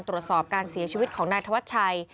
ตรวจสอบการเสียชีวิตของนายธวัชชัย